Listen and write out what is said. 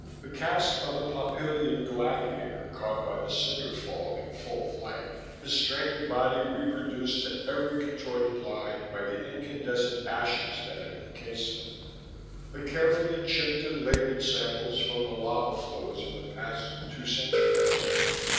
The cast of the Pompeiian gladiator, caught by the cinder fall in full flight, his straining body reproduced to every contorted line by the incandescent ashes that had encased him. The carefully chipped and labeled samples from the lava flows of the past two centuries.